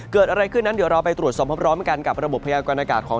เกิดอะไรขึ้นนั้นเดี๋ยวเราไปตรวจสอบพร้อมกันกับระบบพยากรณากาศของ